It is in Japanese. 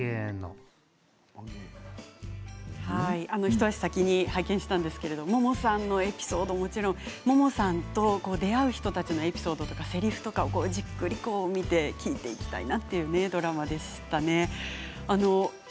一足先に拝見しましたがももさんのエピソードはもちろんももさんと出会う人たちのエピソード、せりふとかをじっくりと見て聞いていきたいなという名ドラマでした。